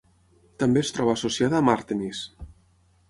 També es troba associada amb Àrtemis.